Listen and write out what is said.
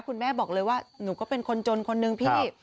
คุณแม่บอกเลยว่าหนูก็เป็นคนจนคนนึงพี่